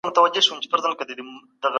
مظلوم آه عرش لرزوي.